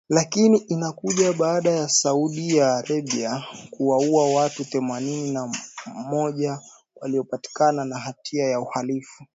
Lakini inakuja baada ya Saudi Arabia kuwaua watu themanini na moja waliopatikana na hatia ya uhalifu